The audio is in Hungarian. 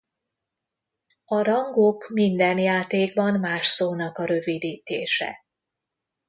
A rangok minden játékban más szónak a rövidítése.